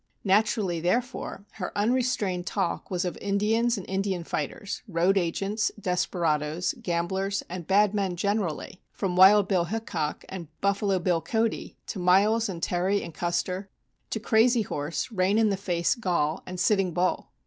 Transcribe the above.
Naturally, therefore, her unrestrained talk was of Indians and Indian fighters, road agents, desperadoes, gamblers and bad men generally from "Wild Bill" Hickock and "Buffalo Bill" Cody to Miles and Terry and Custer, to "Crazy Horse," "Rain in the Face," Gall and "Sitting Bull."